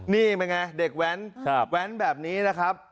นี่เป็นไงเด็กแว้นแว้นแบบนี้นะครับ